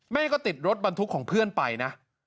แม่ก็ติดรถบรรทุกของเพื่อนไปนะ